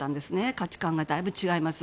価値観がだいぶ違います。